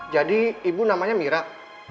jadi ibu namanya mirah